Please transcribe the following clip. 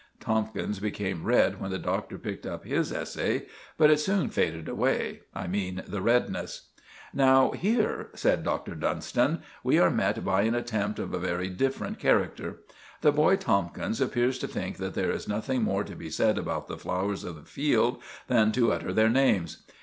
Tomkins became red when the Doctor picked up his essay; but it soon faded away—I mean the redness. "Now here," said Dr. Dunstan, "we are met by an attempt of a very different character. The boy Tomkins appears to think that there is nothing more to be said about the flowers of the field than to utter their names.